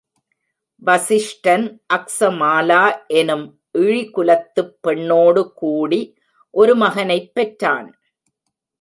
வசிஷ்டன் அக்சமாலா எனும் இழிகுலத்துப் பெண்ணோடு கூடி, ஒரு மகனைப் பெற்றான்.